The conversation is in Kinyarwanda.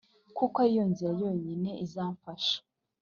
kuko ari yo nzira yonyine izafasha